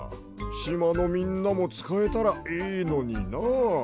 しまのみんなもつかえたらいいのにな。